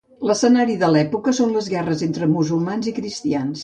L'escenari de l'època són les guerres entre musulmans i cristians.